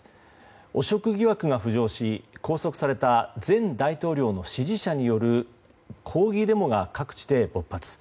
汚職疑惑が浮上し拘束された前大統領の支持者による抗議デモが各地で勃発。